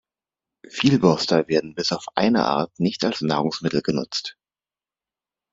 Vielborster werden bis auf eine Art nicht als Nahrungsmittel genutzt.